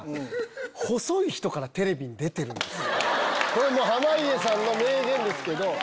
これ濱家さんの名言ですけど。